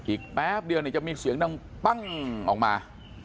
แป๊บเดียวจะมีเสียงดังปั้งออกมา